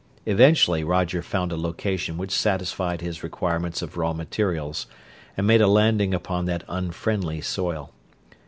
Eventually Roger found a location which satisfied his requirements of raw materials, and made a landing upon that unfriendly soil.